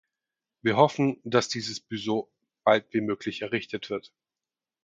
Wir hoffen, dass dieses Büso bald wie möglich errichtet wird.